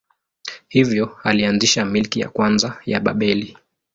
Hivyo alianzisha milki ya kwanza ya Babeli.